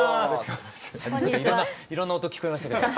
いろんな音聞こえましたけど。